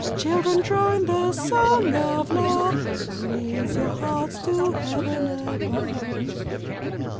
Children, join the song of love! Raise your hearts to Heaven above!